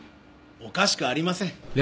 おかしくありません。